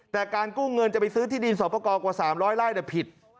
แต่การกู้เงินจะไปซื้อที่ดินสอบประกอบกว่า๓๐๐ไร่ผิด